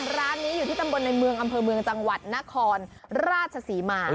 ร้านนี้อยู่ที่ตำบลในเมืองอำเภอเมืองจังหวัดนครราชศรีมา